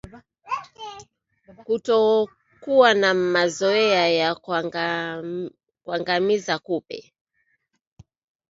Kutokuwa na mazoea ya kuangamiza kupe